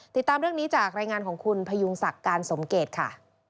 ติดตามเรื่องนี้จากรายงานของคุณพยุงศักดิ์การสมเกตค่ะ